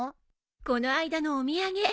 この間のお土産。